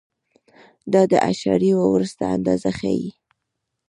دا د اعشاریې وروسته اندازه ښیي.